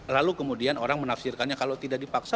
lalu kemudian orang menafsirkannya kalau tidak dipaksa